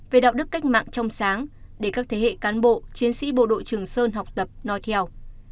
về đạo đức cách mạng trong sáng để các thế hệ cán bộ chiến sĩ bộ đội trường sơn học tập nói theo